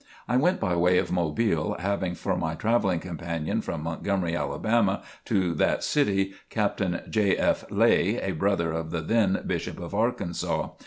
I went by way of Mobile, having for my travelling companion from Montgomery, Alabama, to that city, Captain J. F. Lay, a brother of the then Bishop of Arkansas.